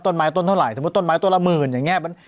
ต้นไม้ต้นเท่าไหร่สมมุติต้นไม้ต้นละหมื่นอย่างนี้